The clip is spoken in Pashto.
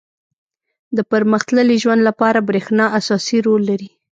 • د پرمختللي ژوند لپاره برېښنا اساسي رول لري.